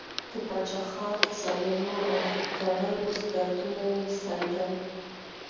د باچا خان د زولنو او هتکړیو ګردونه یې وڅنډل.